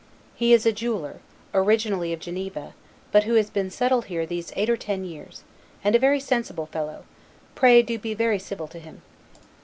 He is a jeweler, originally of Geneva, but who has been settled here these eight or ten years, and a very sensible fellow: pray do be very civil to him.